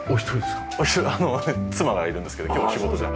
妻がいるんですけど今日は仕事で。